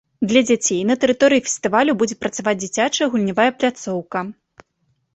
Для дзяцей на тэрыторыі фестывалю будзе працаваць дзіцячая гульнявая пляцоўка.